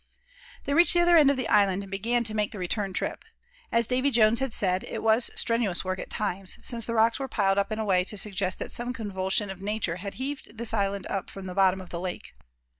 They reached the other end of the island and began to make the return trip. As Davy Jones had said, it was strenuous work at times, since the rocks were piled up in a way to suggest that some convulsion of nature had heaved this island up from the bottom of the lake.